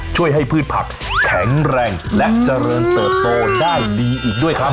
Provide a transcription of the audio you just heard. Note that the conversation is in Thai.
ช่วยให้พืชผักแข็งแรงและเจริญเติบโตได้ดีอีกด้วยครับ